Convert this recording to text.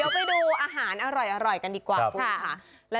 เดี๋ยวไปดูอาหารอร่อยกันดีกว่าคุณค่ะ